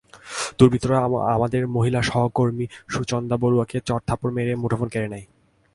দুর্বৃত্তরা আমাদের মহিলা সহকর্মী সুচন্দা বড়ুয়াকে চড়-থাপড় মেরে মুঠোফোন কেড়ে নেয়।